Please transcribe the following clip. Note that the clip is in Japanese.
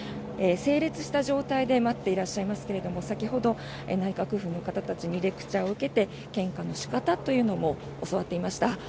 整列した状態で待っていらっしゃいますけども先ほど内閣府の方たちにレクチャーを受けて献花の仕方というのを教わっていました。